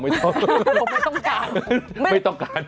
ผมไม่ต้องการ